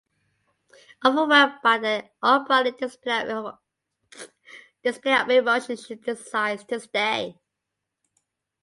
Overwhelmed by their unbridled display of emotion, she decides to stay.